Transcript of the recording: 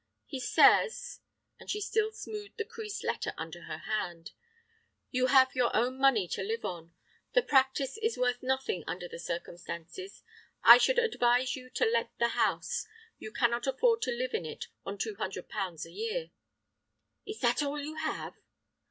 He says—" and she still smoothed the creased letter under her hand—"you have your own money to live on. The practice is worth nothing under the circumstances. I should advise you to let the house. You cannot afford to live in it on two hundred pounds a year." "Is that all you have?"